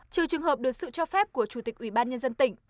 trừ trường hợp được sự cho phép của chủ tịch ubnd tỉnh